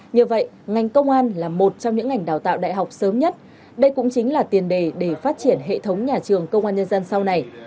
nhờ vậy ngành công an là một trong những ngành đào tạo đại học sớm nhất đây cũng chính là tiền đề để phát triển hệ thống nhà trường công an nhân dân sau này